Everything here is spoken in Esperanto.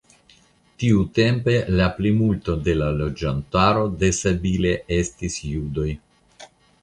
Tiutempe la plimulto de la loĝantaro de Sabile estis judoj.